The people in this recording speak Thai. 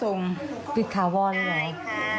อุ๊ยปิดถาวรยังไง